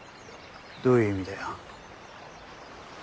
どういう意味だよ？